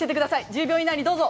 １０秒以内にどうぞ。